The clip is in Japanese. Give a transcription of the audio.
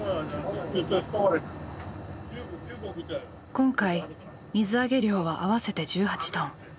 今回水揚げ量は合わせて１８トン。